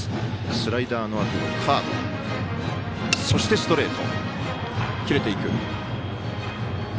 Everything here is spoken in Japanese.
スライダーのあとがカーブそして、ストレート。